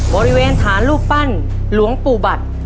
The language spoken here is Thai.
บริเวณฐานรูปปั้นหลวงปู่บัตร